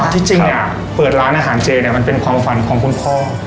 ที่จริงเนี่ยเปิดร้านอาหารเจเนี่ยมันเป็นความฝันของคุณพ่อ